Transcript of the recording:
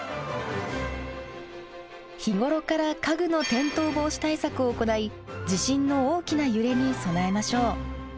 日頃から家具の転倒防止対策を行い地震の大きな揺れに備えましょう。